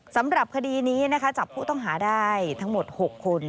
สำหรับคดีนี้นะคะจับผู้ต้องหาได้ทั้งหมด๖คน